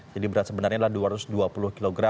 jadi berat sebenarnya adalah dua ratus dua puluh kg